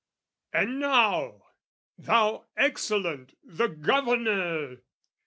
And now, thou excellent the Governor!